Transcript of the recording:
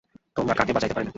তোমরা কাকে বাঁচাইতে পারিলে?